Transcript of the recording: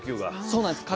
そうなんです。